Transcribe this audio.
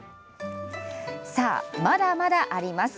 まだまだあります。